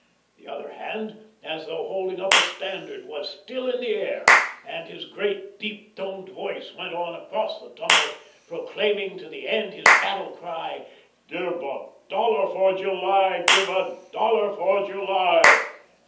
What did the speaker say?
The other hand, as though holding up a standard, was still in the air, and his great deep toned voice went out across the tumult, proclaiming to the end his battle cry: "Give a dollar for July give a dollar for July!"